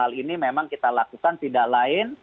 hal ini memang kita lakukan tidak lain